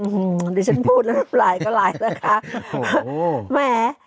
โหตอนนี้ฉันพูดลายก็ลายเลยนะครับแหม